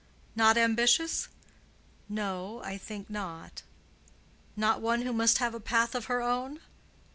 "Not ambitious?" "No, I think not." "Not one who must have a path of her own?"